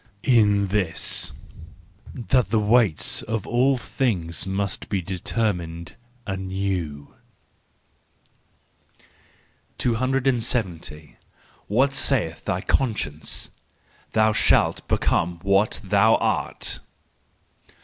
—In this: That the weights of all things must be determined anew. 270. What Saith thy Conscience? —"Thou shalt become what thou art."